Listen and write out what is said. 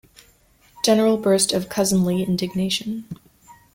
General burst of cousinly indignation.